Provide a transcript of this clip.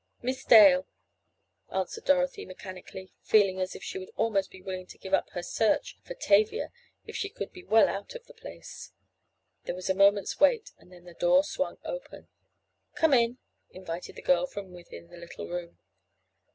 "Miss Dale," answered Dorothy mechanically, feeling as if she would almost be willing to give up her search for Tavia if she could be well out of the place. There was a moment's wait and then the door swung open. "Come in," invited the girl from within the little room.